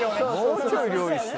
もうちょい料理して。